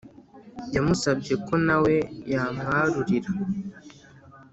yamusabye ko nawe yamwarurira